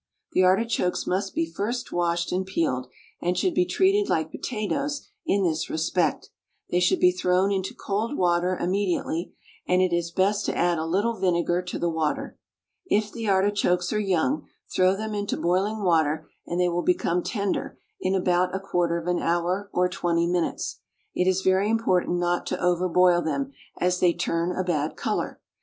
The artichokes must be first washed and peeled, and should be treated like potatoes in this respect. They should be thrown into cold water immediately, and it is best to add a little vinegar to the water. If the artichokes are young, throw them into boiling water, and they will become tender in about a quarter of an hour or twenty minutes. It is very important not to over boil them, as they turn a bad colour.